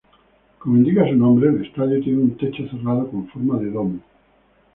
Como indica su nombre, el estadio tiene un techo cerrado con forma de domo.